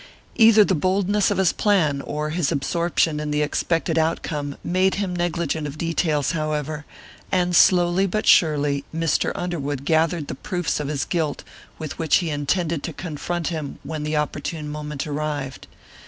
Either the boldness of his plan or his absorption in the expected outcome made him negligent of details, however, and slowly, but surely, Mr. Underwood gathered the proofs of his guilt with which he intended to confront him when the opportune moment arrived.